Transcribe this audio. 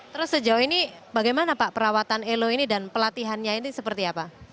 terus sejauh ini bagaimana pak perawatan elo ini dan pelatihannya ini seperti apa